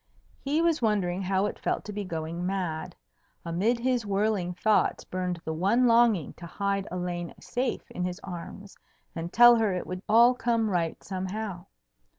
He was wondering how it felt to be going mad. Amid his whirling thoughts burned the one longing to hide Elaine safe in his arms and tell her it would all come right somehow.